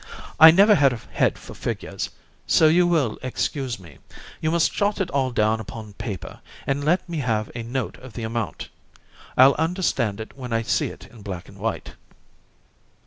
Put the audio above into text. "I never had a head for figures, so you will excuse me. You must jot it all down upon paper, and let me have a note of the amount. I'll understand it when I see it in black and white."